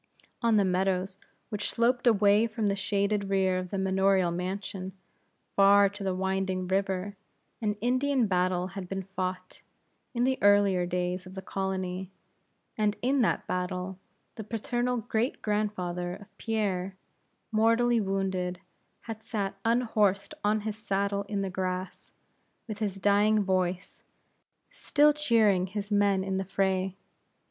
On the meadows which sloped away from the shaded rear of the manorial mansion, far to the winding river, an Indian battle had been fought, in the earlier days of the colony, and in that battle the paternal great grandfather of Pierre, mortally wounded, had sat unhorsed on his saddle in the grass, with his dying voice, still cheering his men in the fray.